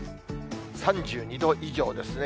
３２度以上ですね。